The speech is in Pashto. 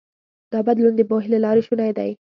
دا بدلون د پوهې له لارې شونی دی.